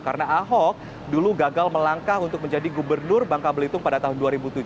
karena ahok dulu gagal melangkah untuk menjadi gubernur bangka belitung pada tahun dua ribu tujuh belas